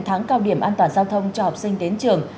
tháng cao điểm an toàn giao thông cho học sinh đến trường